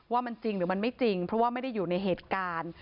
ว่ามันจริงหรือมันไม่จริงเพราะว่าไม่ได้อยู่ในเหตุการณ์